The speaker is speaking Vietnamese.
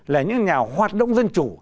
là những nhà hoạt động dân chủ